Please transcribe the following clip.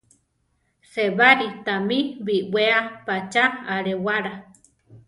Sébari tami biʼwéa pachá alewála.